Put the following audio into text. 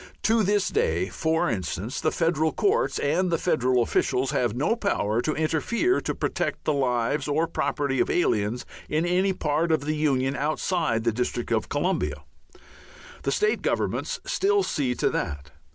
To this day, for instance, the federal courts and the federal officials have no power to interfere to protect the lives or property of aliens in any part of the union outside the district of Columbia. The state governments still see to that.